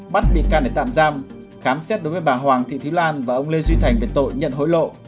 bắt bị can để tạm giam khám xét đối với bà hoàng thị thúy lan và ông lê duy thành về tội nhận hối lộ